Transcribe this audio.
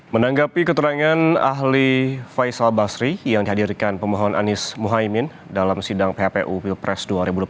menanggapi keterangan ahli faisal basri yang dihadirkan pemohon anies muhaymin dalam sidang phpu pilpres dua ribu dua puluh empat